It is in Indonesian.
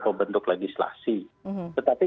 pembentuk legislasi tetapi